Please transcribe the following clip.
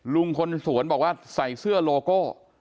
ลุงคนสวนบอกว่าใส่เสื้อโลโก้